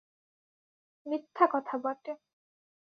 মিথ্যা কথা বটে!